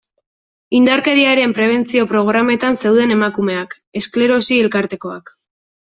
Indarkeriaren prebentzio programetan zeuden emakumeak, esklerosi elkartekoak...